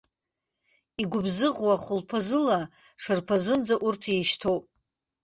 Игәыбзыӷуа хәылԥазыла, шарԥазынӡа урҭ еишьҭоуп.